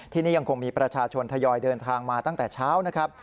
ที่นี่ยังคงมีประชาชนทยอยเดินทางมาตั้งแต่เช้านะครับ